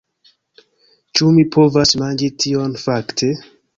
Ĉu mi povas manĝi tion, fakte?